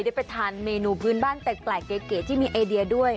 ได้ไปทานเมนูพื้นบ้านแปลกเก๋ที่มีไอเดียด้วย